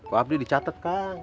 wabri dicatet kang